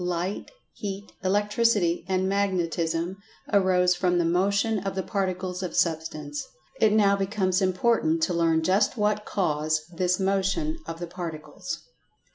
Light, Heat, Electricity and Magnetism, arose from the Motion of the Particles of Substance. It now becomes important to learn just what cause this "Motions of the Particles."